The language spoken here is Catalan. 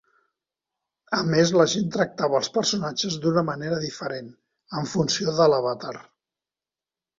A més, la gent tractava els personatges d'una manera diferent en funció de l'avatar.